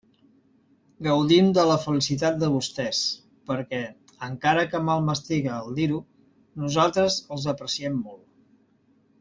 Gaudim de la felicitat de vostès, perquè, encara que mal m'estiga el dir-ho, nosaltres els apreciem molt.